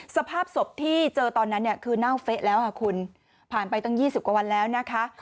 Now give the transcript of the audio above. สภาพศพที่เจอตอนนั้นคือเน่าเฟะแล้วค่ะคุณผ่านไปตั้ง๒๐กว่าวันแล้วนะคะ